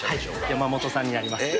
山本さんになります。